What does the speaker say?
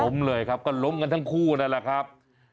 เลยครับก็ล้มกันทั้งคู่นั่นแหละครับ